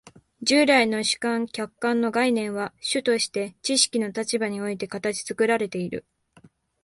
従来の主観・客観の概念は主として知識の立場において形作られている。